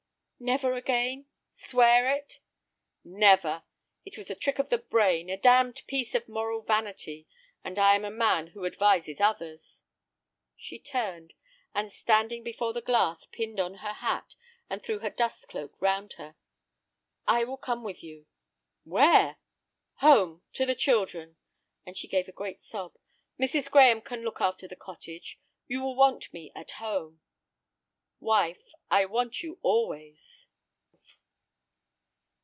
"Never again?—swear it." "Never. It was a trick of the brain, a damned piece of moral vanity. And I am a man who advises others!" She turned, and, standing before the glass, pinned on her hat and threw her dust cloak round her. "I will come with you." "Where?" "Home, to the children," and she gave a great sob. "Mrs. Graham can look after the cottage. You will want me at home." "Wife, I want you always."